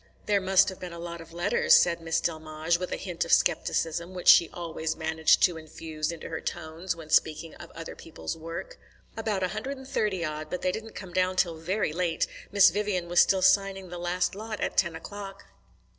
"There must have been a lot of letters," said Miss Delmege, with the hint of scepticism which she always managed to infuse into her tones when speaking of other people's work. "About a hundred and thirty odd, but they didn't come down till very late. Miss Vivian was still signing the last lot at ten o'clock."